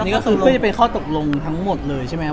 ก็คือไม่ได้เป็นข้อตกลงทั้งหมดเลยใช่ไหม